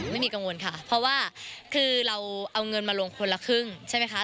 ไม่มีกังวลค่ะเพราะว่าคือเราเอาเงินมาลงคนละครึ่งใช่ไหมคะ